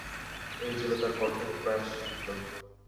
এই ছিল তাঁর কঠোর প্রায়শ্চিত্ত।